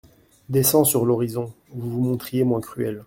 Descend sur l’horizon, vous vous montriez moins cruelle.